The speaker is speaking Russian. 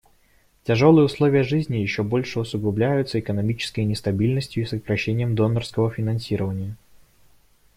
Тяжелые условия жизни еще больше усугубляются экономической нестабильностью и сокращением донорского финансирования.